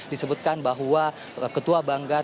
disebutkan bahwa ketua banggar